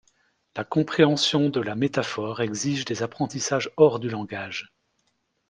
La compréhension de la métaphore exige des apprentissages hors du langage.